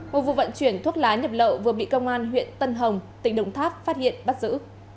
một vụ vận chuyển thuốc lá nhập lậu vừa bị công an huyện tân hồng tỉnh đồng tháp phát hiện bắt giữ